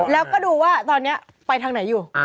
แล้วก็ดูว่าตอนนี้ไปทางไหนอยู่